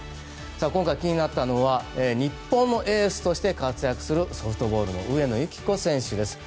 今回気になったのは日本のエースとして活躍するソフトボールの上野由岐子選手です。